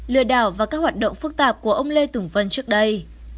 lừa đảo và các hoạt động phức tạp của ông lê tùng vân trước đây